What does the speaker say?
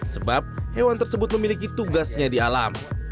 sebab hewan tersebut memiliki tugasnya di alam